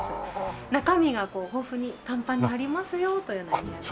中身が豊富にパンパンに張りますよというような意味合いで。